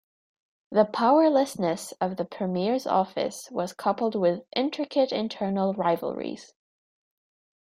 The powerlessness of the premier's office was coupled with intricate internal rivalries.